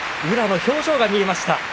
宇良の表情が見えました。